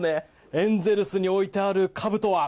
エンゼルスに置いてあるかぶとは。